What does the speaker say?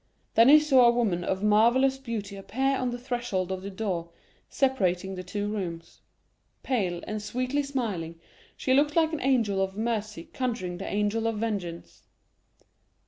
Then he saw a woman of marvellous beauty appear on the threshold of the door separating the two rooms. Pale, and sweetly smiling, she looked like an angel of mercy conjuring the angel of vengeance.